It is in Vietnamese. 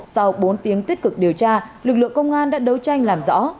sau bốn tiếng tích cực điều tra lực lượng công an đã đấu tranh làm rõ